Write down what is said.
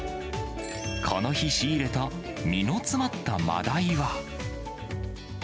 この日、仕入れた身の詰まったマダイは。